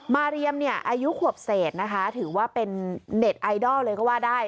เรียมเนี่ยอายุขวบเศษนะคะถือว่าเป็นเน็ตไอดอลเลยก็ว่าได้